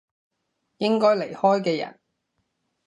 應該離開嘅人